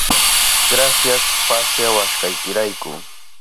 Grasias pasyawashkaykirayku.